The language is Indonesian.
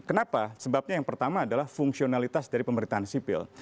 kenapa sebabnya yang pertama adalah fungsionalitas dari pemerintahan sipil